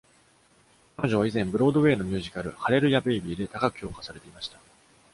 彼女は以前、ブロードウェイのミュージカル、Hallelujah, Baby! で高く評価されていました。